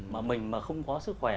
mà mình mà không có sức khỏe